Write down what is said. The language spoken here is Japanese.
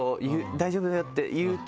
「大丈夫だよ」って言うと。